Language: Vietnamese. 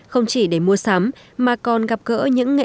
không chỉ để mua sắm mà còn gặp gỡ những nghệ sĩ